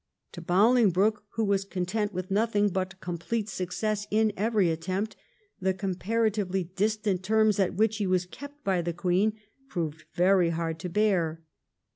To Bolingbroke, who was content with nothing but complete success in every attempt, the comparatively distant terms at which he was kept by the Queen proved very hard to bear.